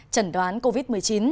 chẩn đoán covid một mươi chín